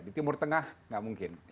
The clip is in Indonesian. di timur tengah nggak mungkin